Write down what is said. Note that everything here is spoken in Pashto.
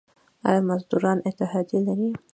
آیا مزدوران اتحادیه لري؟